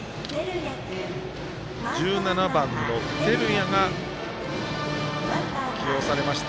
１７番の照屋が起用されました。